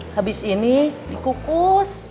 habis ini dikukus